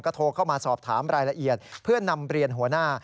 โทรเข้ามาสอบถามรายละเอียดเพื่อนำเรียนหัวหน้า